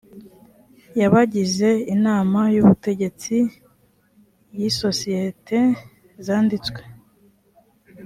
y abagize inama y ubutegetsi y isosiyete zanditswe